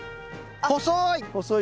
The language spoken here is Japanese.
細い！